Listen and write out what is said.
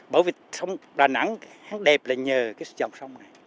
bởi vì sông đà nẵng hán đẹp là nhờ cái dòng sông này